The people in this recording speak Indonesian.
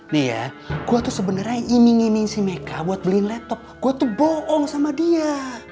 nih ya gue tuh sebenarnya iming iming si meka buat beliin laptop gue tuh bohong sama dia